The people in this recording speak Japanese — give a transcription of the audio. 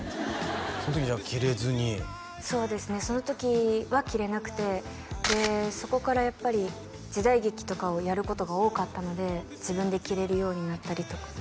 その時じゃあ着れずにそうですねその時は着れなくてでそこからやっぱり時代劇とかをやることが多かったので自分で着れるようになったりとかなったん？